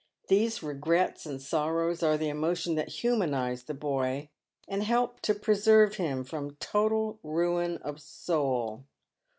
These regrets and sorrows are the emotions that humanise the boy, and help to 'preserve 'Klin from total ruin of soul.